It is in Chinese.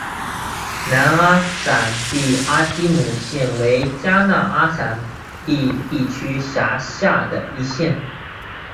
南阿散蒂阿基姆县为迦纳阿散蒂地区辖下的一县。